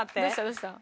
どうした？